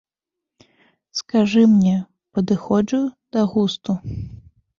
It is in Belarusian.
Скажы мне, падыходжу да густу?